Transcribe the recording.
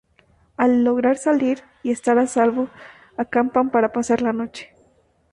Al logra salir y estar a salvo, acampan para pasar la noche.